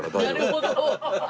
なるほど。